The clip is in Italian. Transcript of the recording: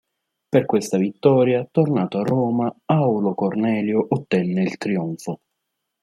Per questa vittoria, tornato a Roma, Aulo Cornelio ottenne il trionfo.